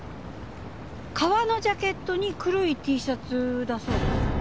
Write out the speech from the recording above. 革のジャケットに黒いＴシャツだそう。